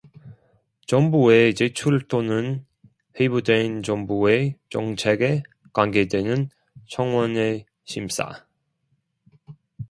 정부에 제출 또는 회부된 정부의 정책에 관계되는 청원의 심사